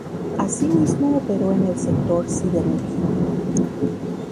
Así mismo operó en el sector siderúrgico.